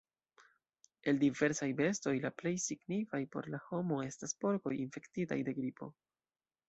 El diversaj bestoj la plej signifaj por la homo estas porkoj infektitaj de gripo.